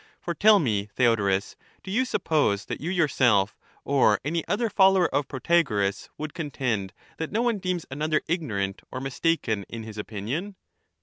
For tell me, Theodorus, do you suppose that you yourself, or any other follower of Protagoras, would contend that no one deems another ignorant or mistaken in his opinion